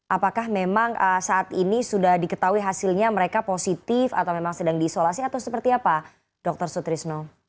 apakah memang saat ini sudah diketahui hasilnya mereka positif atau memang sedang diisolasi atau seperti apa dr sutrisno